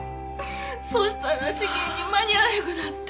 そしたら試験に間に合わなくなって。